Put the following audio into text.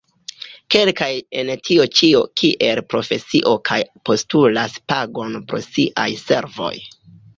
Kelkaj en tio ĉio kiel profesio kaj postulas pagon pro siaj servoj.